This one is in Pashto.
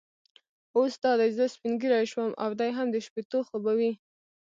اوس دا دی زه سپینږیری شوم او دی هم د شپېتو خو به وي.